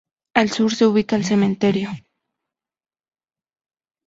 Al sur, se ubica el cementerio.